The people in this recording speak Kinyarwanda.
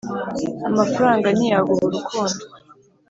amafaranga ntiyaguha urukundo